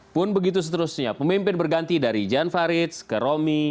pun begitu seterusnya pemimpin berganti dari jan faridz ke romi